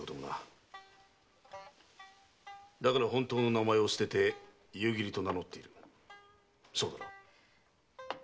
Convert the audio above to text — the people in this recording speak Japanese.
だから本当の名前を捨てて夕霧と名乗っているそうだろう？